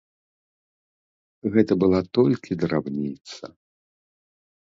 Гэта была толькі драбніца.